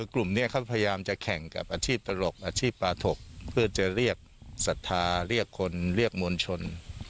กลุ่มนี้เขาพยายามจะแข่งกับอาชีพตลกอาชีพปลาถกเพื่อจะเรียกศรัทธาเรียกคนเรียกมวลชน